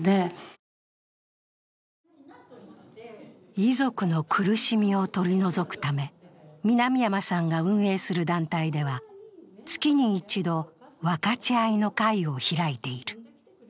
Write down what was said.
遺族の苦しみを取り除くため南山さんが運営する団体では、月に一度、分かち合いの会を開いている。